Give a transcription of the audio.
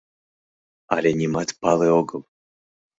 — Але нимат пале огыл...